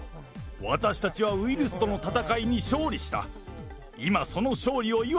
私たちはウイルスとの戦いに勝利した。